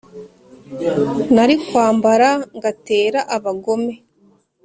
nari kwambara ngatera abagome